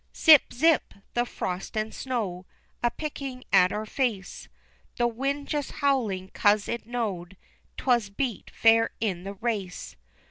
Zip! Zip! the frost and snow A pickin' at our face, The wind just howlin' 'cause it knowed 'Twas beat fair in the race!